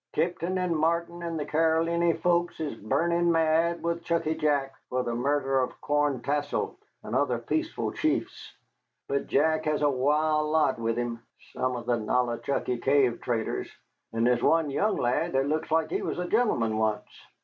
Tipton and Martin and the Caroliny folks is burnin' mad with Chucky Jack for the murder of Corn Tassel and other peaceful chiefs. But Jack hez a wild lot with him, some of the Nollichucky Cave traders, and there's one young lad that looks like he was a gentleman once.